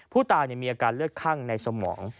ผู้ตายมีอาการเลือดคั่งในสมอง